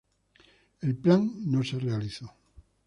El plan no se realizó.